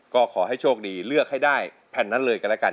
ก็ขอให้โชคดีเลือกให้ได้แผ่นนั้นเลยกันแล้วกัน